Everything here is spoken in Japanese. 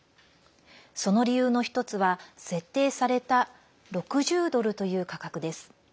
その理由の１つは、設定された６０ドルという価格です。